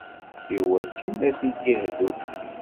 Iwakken ad t-id-ihdu.